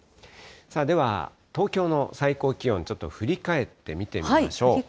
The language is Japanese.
では、東京の最高気温、ちょっと振り返ってみてみましょう。